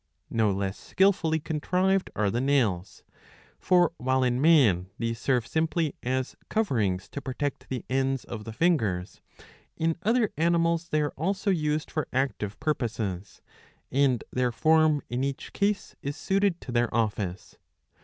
. No less skilfully contrived are the nails. For, while in man these serve simply as coverings to protect the ends of the fingers, in other animals they are also i}sed for active purposes ; [and their form in each case is suited to their office.